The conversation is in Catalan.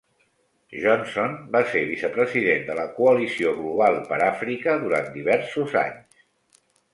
Johnson va ser vicepresident de la coalició global per Àfrica durant diversos anys.